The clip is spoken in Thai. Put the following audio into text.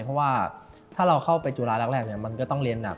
เพราะว่าถ้าเราเข้าไปจุฬาแรกมันก็ต้องเรียนหนัก